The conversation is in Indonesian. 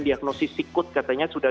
diagnosi sikut katanya sudah